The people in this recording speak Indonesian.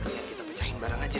ya kita pecahin bareng aja